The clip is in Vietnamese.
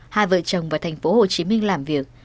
hai vợ chồng vào thành phố hồ chí minh làm việc